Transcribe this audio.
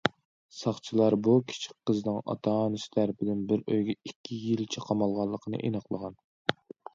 ساقچىلار بۇ كىچىك قىزنىڭ ئاتا- ئانىسى تەرىپىدىن بىر ئۆيگە ئىككى يىلچە قامالغانلىقىنى ئېنىقلىغان.